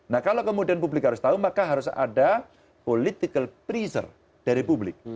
nah kalau kemudian publik harus tahu maka harus ada political pressure dari publik